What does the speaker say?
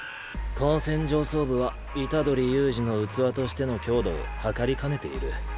高専上層部は虎杖悠仁の器としての強度を計りかねている。